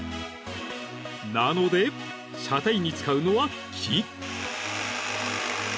［なので車体に使うのは木］